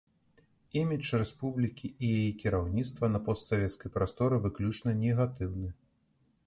Імідж рэспублікі і яе кіраўніцтва на постсавецкай прасторы выключна негатыўны.